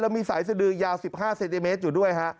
แล้วมีสายสดือยาว๑๕เซติเมตรอยู่ด้วย